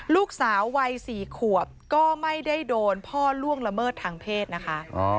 ลูกสาววัย๔ขวบก็ไม่ได้โดนพ่อล่วงละเมิดทางเพศนะคะ